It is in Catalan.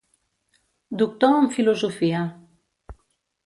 Doctor en filosofia.